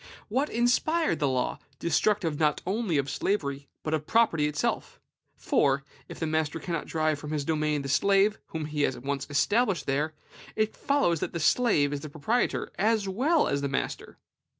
What inspired this law, destructive not only of slavery, but of property itself? For, if the master cannot drive from his domain the slave whom he has once established there, it follows that the slave is proprietor, as well as the master.